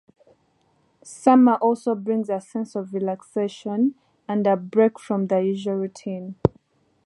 Summer also brings a sense of relaxation and a break from the usual routine.